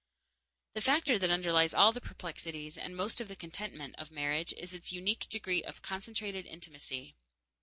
The factor that underlies all the perplexities, and most of the contentment, of marriage is its unique degree of concentrated intimacy.